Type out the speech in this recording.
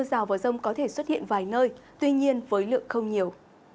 gió và rông có thể xuất hiện vài nơi tuy nhiên với lượng không nhiều